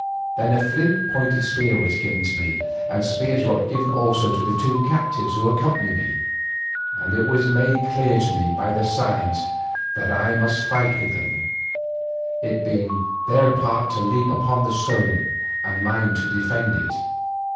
Then a flint pointed spear was given to me and spears were given also to the two captives who accompanied me, and it was made clear to me by signs that I must fight with them, it being their part to leap upon the stone and mine to defend it.